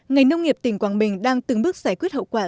ngành nông nghiệp tỉnh quảng bình đang từng bước giải quyết hậu quả